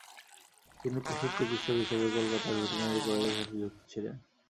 তিনি পশুচিকিতসক হিসাবে কলকাতার ভেটারিনারি কলেজের সাথে যুক্ত ছিলেন।